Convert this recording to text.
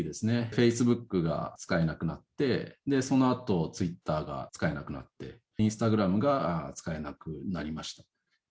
フェイスブックが使えなくなって、そのあとツイッターが使えなくなって、インスタグラムが使えなくなりました。